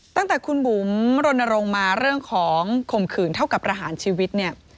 ตั้งแต่คุณบุ๋มรณรงค์มาเรื่องของข่มขืนเท่ากับประหารชีวิตเนี่ย